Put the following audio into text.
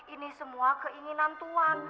ini semua keinginan tuhan